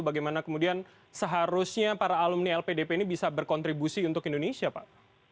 bagaimana kemudian seharusnya para alumni lpdp ini bisa berkontribusi untuk indonesia pak